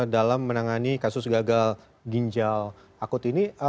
dalam menangani kasus gagal ginjal akut ini